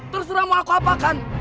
terserah mau aku apakan